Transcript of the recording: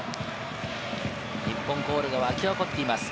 日本コールが沸き起こっています。